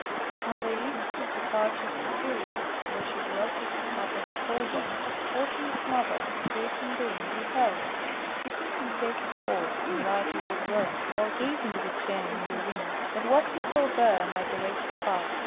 On the eve of his departure for Syria, where she dwelt with her father the Soldan, Otnit's mother gave him the ring you held, bidding him take his horse and ride toward Rome while gazing at the gem in the ring, that what he saw there might direct his path.